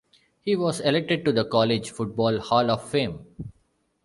He was elected to the College Football Hall of Fame.